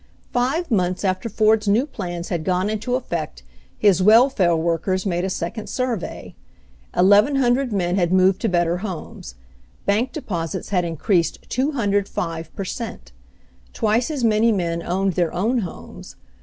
Five months after Ford's new plans had gone into effect his welfare workers made a second survey. Eleven hundred men had moved to better homes. Bank deposits had increased 205 per cent. Twice as many men owned their own homes.